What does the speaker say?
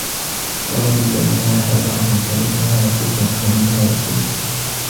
وَذَلَّلْنَاهَا لَهُمْ فَمِنْهَا رَكُوبُهُمْ وَمِنْهَا يَأْكُلُونَ